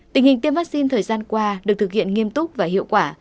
tình hình tiêm vaccine thời gian qua được thực hiện nghiêm túc và hiệu quả